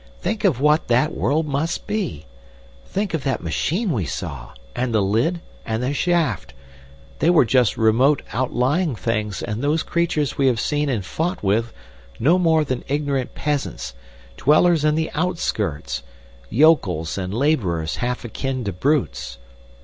Think of what that world must be! Think of that machine we saw, and the lid and the shaft! They were just remote outlying things, and those creatures we have seen and fought with no more than ignorant peasants, dwellers in the outskirts, yokels and labourers half akin to brutes.